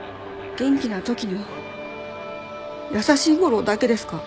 元気な時の優しい吾良だけですか？